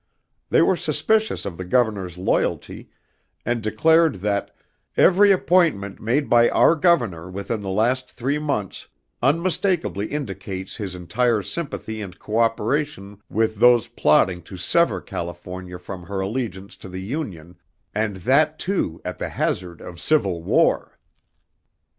They were suspicious of the Governor's loyalty and declared that, "Every appointment made by our Governor within the last three months, unmistakably indicates his entire sympathy and cooperation with those plotting to sever California from her allegiance to the Union, and that, too, at the hazard of Civil War."